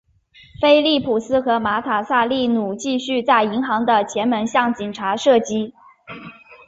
菲利普斯和马塔萨利努继续在银行的前门向警察射击。